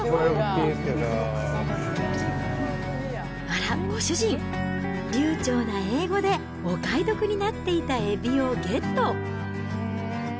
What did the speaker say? あら、ご主人、流ちょうな英語でお買い得になっていたエビをゲット。